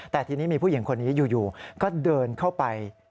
แต่ทีนี้มีผู้หญิงคนนี้อยู่ก็เดินเข้าไป